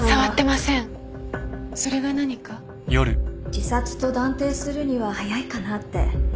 自殺と断定するには早いかなって。